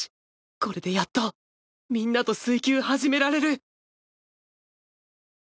これでやっとみんなと水球始められる